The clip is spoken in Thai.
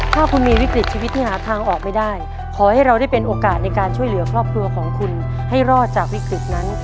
ถ้าคุณมีวิกฤตชีวิตที่หาทางออกไม่ได้ขอให้เราได้เป็นโอกาสในการช่วยเหลือครอบครัวของคุณให้รอดจากวิกฤตนั้น